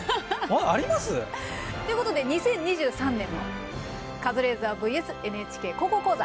あります？ということで２０２３年も「カズレーザーｖｓ．ＮＨＫ高校講座」